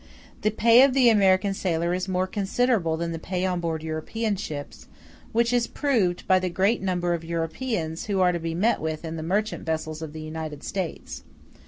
The pay of the American sailor is more considerable than the pay on board European ships; which is proved by the great number of Europeans who are to be met with in the merchant vessels of the United States.